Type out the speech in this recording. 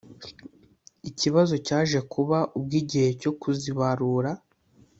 Ikibazo cyaje kuba ubwo igihe cyo kuzibarura